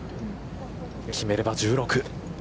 決めれば１６。